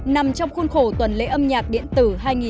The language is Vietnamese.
nằm trong khuôn khổ tuần lễ âm nhạc điện tử hai nghìn một mươi chín